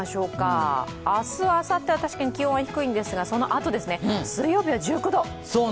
明日、あさっては確かに気温は低いんですが、そのあとですね、水曜日は１９度！